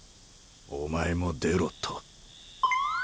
「お前も出ろ」と。